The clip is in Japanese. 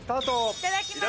いただきます。